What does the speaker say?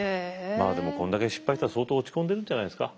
まあでもこんだけ失敗したら相当落ち込んでるんじゃないですか。